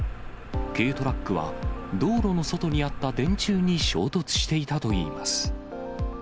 軽トラックは、道路の外にあった電柱に衝突していたといいます。